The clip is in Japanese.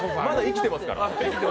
まだ、生きてますから。